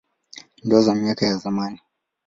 Ndoa za miaka ya zamani.